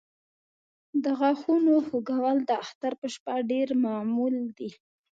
د غاښونو خوږول د اختر په شپه ډېر معمول دی.